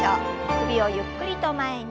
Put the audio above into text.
首をゆっくりと前に。